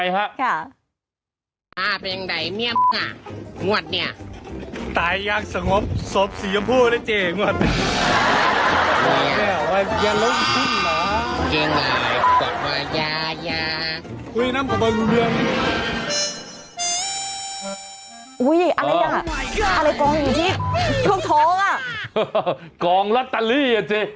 อุ้ยอะไรยังอะไรกองอยู่ที่พวกท้องอ่ะกองลัตตาลีอ่ะเจ๊